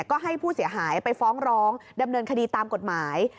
ก็ให้ผู้เสียหายไปฟ้องร้องดำเนินคดีตามกฎหมาย